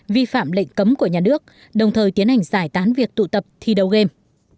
vi phạm lệnh cấm của nhà nước đồng thời tiến hành giải tán việc tụ tập thi đấu game